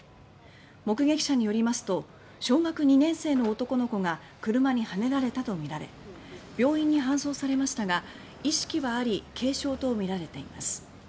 目撃者によりますと小学２年生の男の子が車にはねられたとみられ病院に搬送されましたが意識はあり軽傷とみられています。